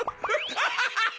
アハハハ！